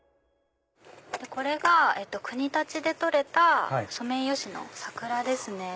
これが国立で採れたソメイヨシノ桜ですね。